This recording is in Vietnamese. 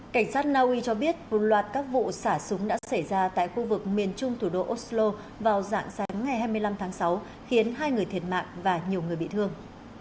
cảnh sát naui cho biết một loạt các vụ xả súng đã xảy ra tại khu vực miền trung thủ đô oslo vào dạng sáng ngày hai mươi năm tháng sáu khiến hai người thiệt mạng và nhiều người bị thương